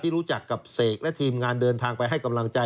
รู้จักกับเสกและทีมงานเดินทางไปให้กำลังใจ